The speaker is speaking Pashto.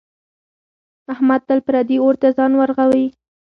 احمد تل پردي اور ته ځان ورغورځوي.